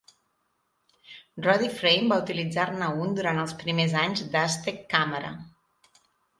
Roddy Frame va utilitzar-ne un durant els primers anys d"Aztec Camera.